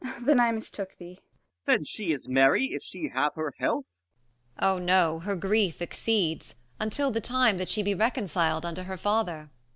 45 Gon. Then I mistook thee. Com. Then she is merry, if she have her health ? Amb. Oh no, her grief exceeds, until the time Ij That she be reconcil'd unto her father.